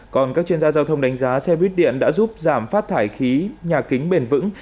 còn các chuyên gia giao thông đánh giá xe buýt điện đã giúp giảm phát thải khí nhà kính bền vững